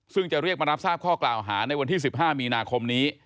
ซึ่งจะเรียกมารับทราบข้อกล่าวหาในวันที่๑๕มีนาคมนี้